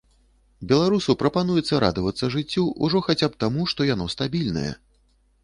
Беларусу прапануецца радавацца жыццю ўжо хаця б таму, што яно стабільнае.